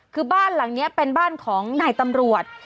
คือบ้านหลังนี้เป็นบ้านของนายตำรวจ